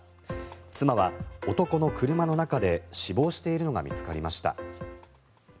妻は、男の車の中で死亡しているのが見つかりました。